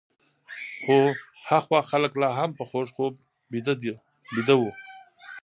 خو هخوا خلک لا هم په خوږ خوب ویده وو.